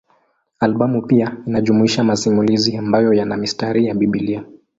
Albamu pia inajumuisha masimulizi ambayo yana mistari ya Biblia.